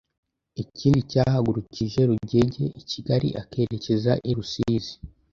Ikindi cyahagurukije Rugege i Kigali akerekeza i Rusizi